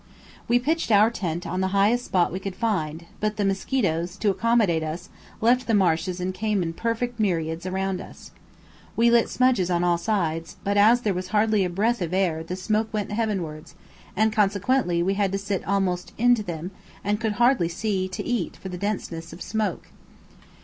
We pitched our tent on the highest spot we could find; but the mosquitoes, to accommodate us, left the marshes and came in perfect myriads around us. We lit smudges on all sides, but as there was hardly a breath of air the smoke went heavenwards, and consequently we had to sit almost into them and could hardly see to eat for the denseness of smoke.